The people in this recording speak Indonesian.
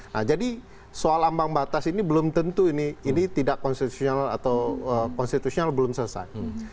nah jadi soal ambang batas ini belum tentu ini tidak konstitusional atau konstitusional belum selesai